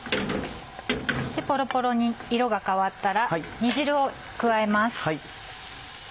ポロポロに色が変わったら煮汁を加えます。